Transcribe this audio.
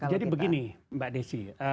jadi begini mbak desy